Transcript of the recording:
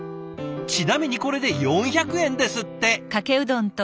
ちなみにこれで４００円ですって！